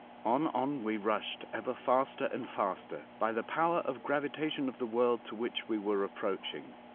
On, on we rushed, ever faster and faster, by the power of gravitation of the world to which we were approaching.